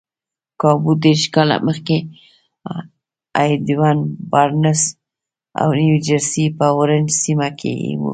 کابو دېرش کاله مخکې ايډوين بارنس د نيوجرسي په اورنج سيمه کې و.